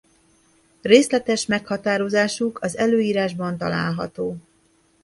Részletes meghatározásuk az előírásban található.